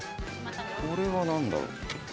これは何だろう？